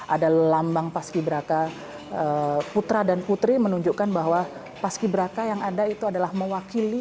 ada lambang paski beraka putra dan putri menunjukkan bahwa paski braka yang ada itu adalah mewakili